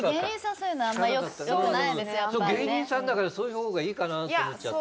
そう芸人さんだからそういう方がいいかなと思っちゃって。